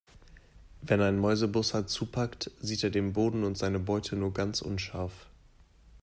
Wenn ein Mäusebussard zupackt, sieht er den Boden und seine Beute nur ganz unscharf.